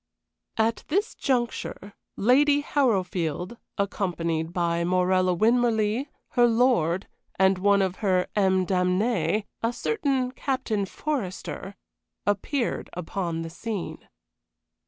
At this juncture Lady Harrowfield, accompanied by Morella Winmarleigh, her lord, and one of her âmes damnées, a certain Captain Forester, appeared upon the scene.